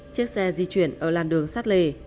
chiếc xe di chuyển ở làn đường sát lề